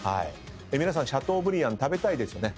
シャトーブリアン食べたいですよね？